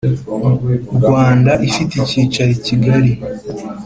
Rwanda ifite icyicaro i Kigali